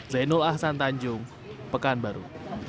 zainul ahsan tanjung pekan baru